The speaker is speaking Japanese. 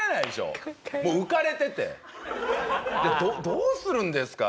「どうするんですか？」